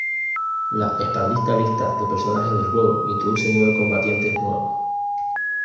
La expandida lista de personajes del juego introduce nueve combatientes nuevos.